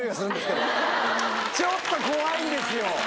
ちょっと怖いんですよ。